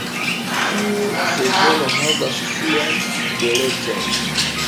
Ĉiu sezono havas sian belecon.